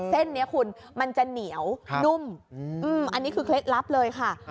เส้นนี้คุณมันจะเหนียวนุ่มอันนี้คือเคล็ดลับเลยค่ะ